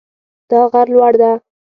دا غر لوړ ده